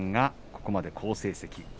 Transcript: ここまで好成績です。